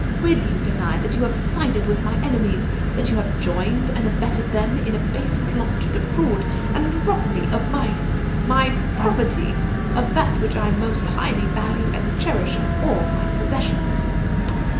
"Will you deny that you have sided with my enemies, that you have joined and abetted them in a base plot to defraud and rob me of my my property, of that which I most highly value and cherish of all my possessions?"